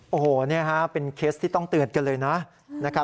โอ้โหเป็นเคสที่ต้องเตือนกันเลยนะ